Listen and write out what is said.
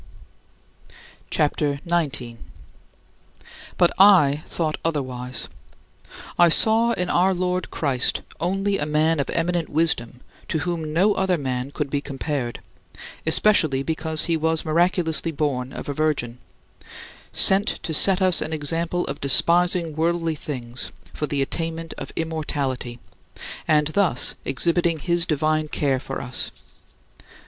CHAPTER XIX 25. But I thought otherwise. I saw in our Lord Christ only a man of eminent wisdom to whom no other man could be compared especially because he was miraculously born of a virgin sent to set us an example of despising worldly things for the attainment of immortality, and thus exhibiting his divine care for us.